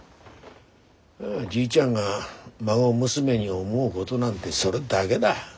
じいちゃんが孫娘に思うごどなんてそれだげだ。